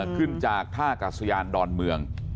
ขึ้นจากท่ากัศยานดอนเมือง